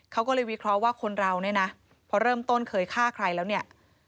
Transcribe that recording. เขาก็เลยวิเคราะห์ว่าคนเราเนี่ยนะพอเริ่มต้นเคยฆ่าใครแล้วเนี่ย